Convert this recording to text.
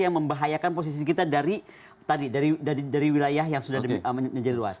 yang membahayakan posisi kita dari wilayah yang sudah menjadi luas